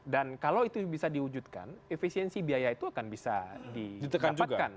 dan kalau itu bisa diwujudkan efisiensi biaya itu akan bisa dikampakan